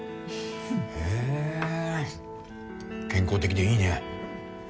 へぇ健康的でいいね。